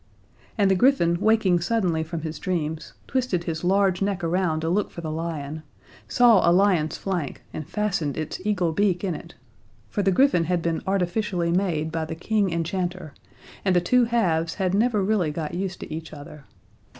And the griffin, waking suddenly from his dreams, twisted his large neck around to look for the lion, saw a lion's flank, and fastened its eagle beak in it. For the griffin had been artificially made by the King enchanter, and the two halves had never really got used to each other.